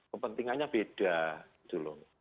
kepentingannya beda gitu loh